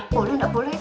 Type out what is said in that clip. boleh nggak boleh